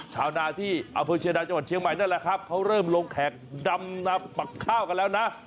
ชาวนาที่อำเภอเชียดาจังหวัดเชียงใหม่นั่นแหละครับเขาเริ่มลงแขกดำนาปักข้าวกันแล้วนะ